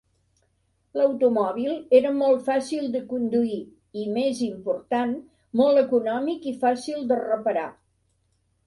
L'automòbil era molt fàcil de conduir i, més important, molt econòmic i fàcil de reparar.